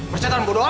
persyaratan bodoh apa